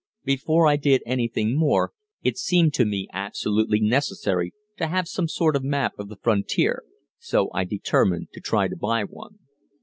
Before I did anything more, it seemed to me absolutely necessary to have some sort of map of the frontier, so I determined to try to buy one.